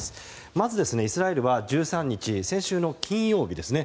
まずイスラエルは１３日先週の金曜日ですね